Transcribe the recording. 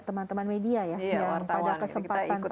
teman teman media ya yang pada kesempatan